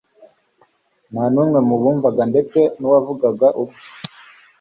Nta numwe mu bumvaga, ndetse n'uwavugaga ubwe,